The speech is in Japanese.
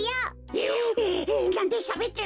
えなんでしゃべってるってか？